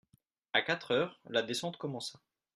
A quatre heures, la descente commença.